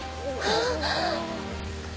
あっ！